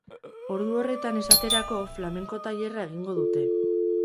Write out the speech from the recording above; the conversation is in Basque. Ordu horretan, esaterako, flamenko tailerra egingo dute.